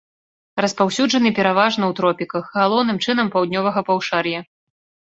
Распаўсюджаны пераважна ў тропіках, галоўным чынам, паўднёвага паўшар'я.